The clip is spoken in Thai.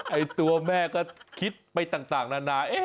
ตัวแม่ก็คิดไปต่างนานา